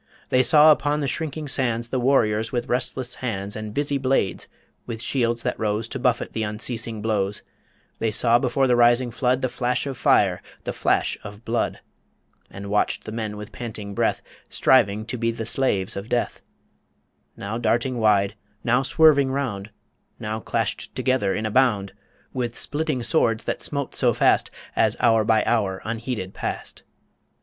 They saw upon the shrinking sands The warriors with restless hands And busy blades, with shields that rose To buffet the unceasing blows; They saw before the rising flood The flash of fire, the flash of blood; And watched the men with panting breath, Striving to be the slaves of death; Now darting wide, now swerving round, Now clashed together in a bound, With splitting swords that smote so fast, As hour by hour unheeded past.